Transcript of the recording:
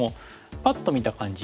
パッと見た感じ